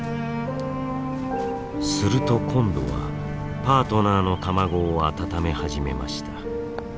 すると今度はパートナーの卵を温め始めました。